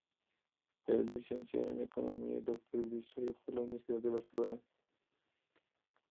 Es Licenciado en Economía y Doctor en Historia por la Universidad de Barcelona.